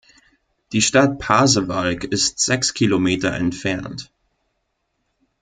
Die Stadt Pasewalk ist sechs Kilometer entfernt.